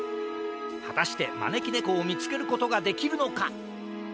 はたしてまねきねこをみつけることができるのか？